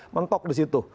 mengkok di situ